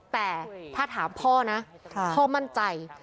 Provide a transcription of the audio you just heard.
แต่ถ้าถามพ่อนะพ่อมั่นใจ